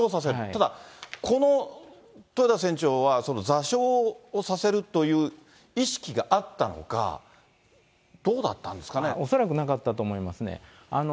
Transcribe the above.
ただこの、豊田船長は、その座礁をさせるという意識があったのか、恐らく、なかったと思いますね。